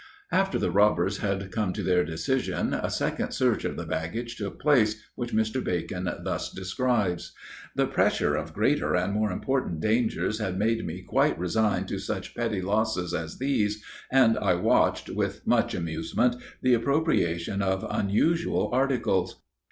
After the robbers had come to their decision, a second search of the baggage took place, which Mr. Bacon thus describes: "The pressure of greater and more important dangers had made me quite resigned to such petty losses as these, and I watched, with much amusement, the appropriation of unusual articles.